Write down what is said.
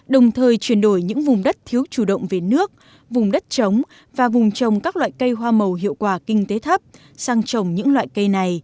đồng thời chuyển đổi những vùng đất thiếu chủ động về nước vùng đất trống và vùng trồng các loại cây hoa màu hiệu quả kinh tế thấp sang trồng những loại cây này